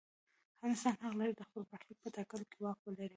هر انسان حق لري د خپل برخلیک په ټاکلو کې واک ولري.